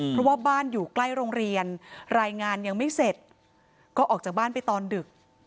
เพราะว่าบ้านอยู่ใกล้โรงเรียนรายงานยังไม่เสร็จก็ออกจากบ้านไปตอนดึก